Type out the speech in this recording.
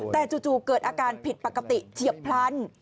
แต่จู่เกิดอาการผิดปกติเฉียบพลัน